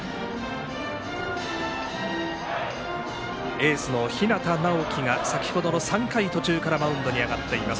エースの日當直喜が先ほどの３回途中からマウンドに上がっています。